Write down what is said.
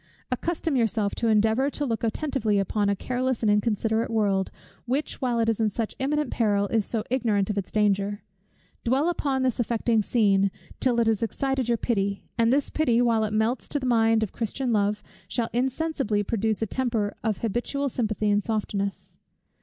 Accustom yourself to endeavour to look attentively upon a careless and inconsiderate world, which, while it is in such imminent peril, is so ignorant of its danger. Dwell upon this affecting scene, till it has excited your pity; and this pity, while it melts the mind to Christian love, shall insensibly produce a temper of habitual sympathy and softness.